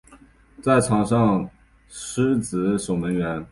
在场上司职守门员。